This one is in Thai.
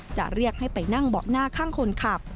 จะเรียกให้ไปนั่งเบาะหน้าข้างคนขับ